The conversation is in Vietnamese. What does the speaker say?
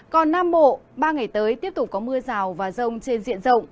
còn nam bộ ba ngày tới tiếp tục có mưa rào và rông trên diện rộng